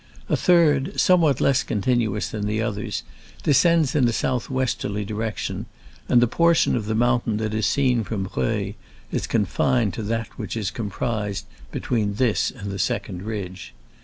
A third, somewhat less continuous than the others, descends in a south westerly direction, and the por tion of the mountain that is seen from Breuil is confined to that which is com prised between this and the second ridge.